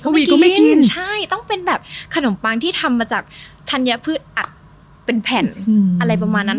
กินใช่ต้องเป็นแบบขนมปังที่ทำมาจากธัญพืชอัดเป็นแผ่นอะไรประมาณนั้น